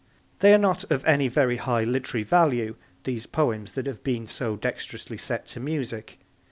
They are not of any very high literary value, these poems that have been so dexterously set to music.